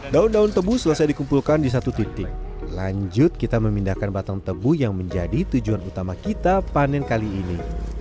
daun daun tebu selesai dikumpulkan di satu titik lanjut kita memindahkan batang tebu yang menjadi tujuan utama kita panen kali ini